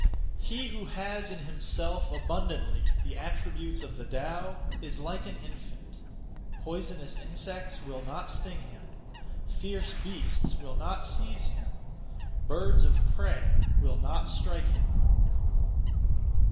1. He who has in himself abundantly the attributes (of the Tao) is like an infant. Poisonous insects will not sting him; fierce beasts will not seize him; birds of prey will not strike him.